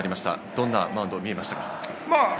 どんなマウンドに見えましたか？